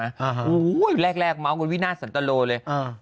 โอ้โฮแรกม้าวนวินาทสัตโตรเลย